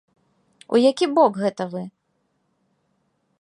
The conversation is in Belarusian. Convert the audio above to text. У які бок гэта вы?